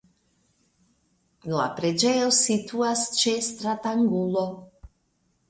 La preĝejo situas ĉe stranangulo.